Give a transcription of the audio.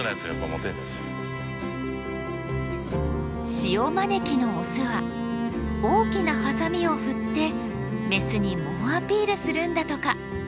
シオマネキのオスは大きなハサミを振ってメスに猛アピールするんだとか。